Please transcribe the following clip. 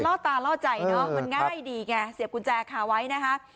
ล่อตาล่อใจเนอะมันง่ายดีไงเสียบกุญแจคาไว้นะคะ